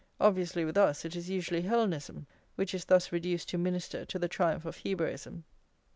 Obviously, with us, it is usually Hellenism which is thus reduced to minister to the triumph of Hebraism.